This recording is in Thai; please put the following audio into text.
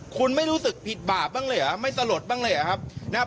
คุณไม่รู้สึกผิดบาปบ้างเลยเหรอไม่สลดบ้างเลยเหรอครับนะครับ